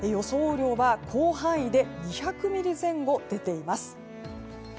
雨量は広範囲で２００ミリ前後出ています。